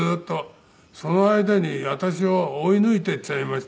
その間に私を追い抜いていっちゃいまして背。